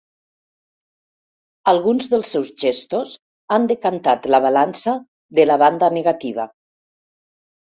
Alguns dels seus gestos han decantat la balança de la banda negativa.